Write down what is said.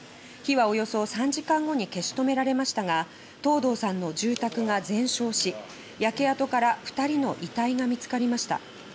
火はおよそ３時間後に消し止められましたが藤堂さんの住宅が全焼し焼け跡から２人の遺体が見つかりました。